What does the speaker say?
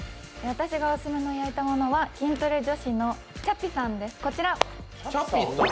私がオススメの焼いたものは、筋トレ女子のちゃぴさんです。